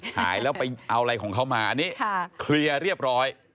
หายแล้วไปเอาอะไรของเขามาอันนี้เคลียร์เรียบร้อย